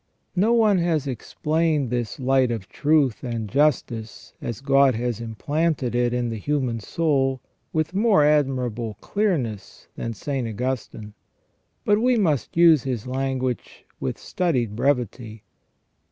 No one has explained this light of truth and justice, as God has implanted it in the human soul, with more admirable clearness than St. Augustine ; but we must use his language with studied brevity.